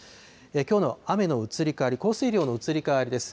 きょうの雨の移り変わり、降水量の移り変わりです。